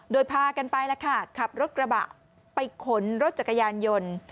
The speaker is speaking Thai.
โดยพากันไปแล้วค่ะขับรถกระบะไปขนรถจักรยานยนต์